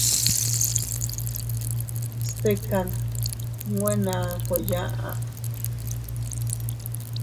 Stikan nwe naa kueyaʼa.